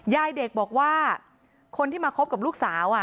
ยายเด็กบอกว่าคนที่มาคบกับลูกสาว